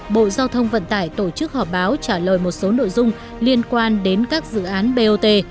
bộ giao thông vận tải tổ chức họp báo trả lời một số nội dung liên quan đến các dự án bot